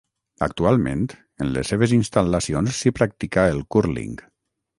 Actualment, en les seves instal·lacions s'hi practica el cúrling.